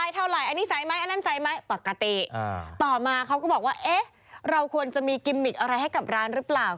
ปกติต่อมาเขาก็บอกว่าเอ๊ะเราควรจะมีกิมมิกอะไรให้กับร้านหรือเปล่า